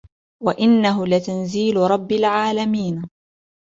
وإنه لتنزيل رب العالمين